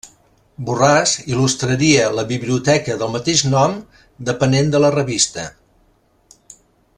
Borràs il·lustraria la Biblioteca del mateix nom depenent de la revista.